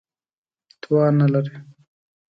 توان نه لري.